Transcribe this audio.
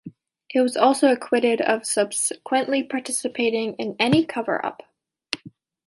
It was also acquitted of subsequently participating in any cover-up.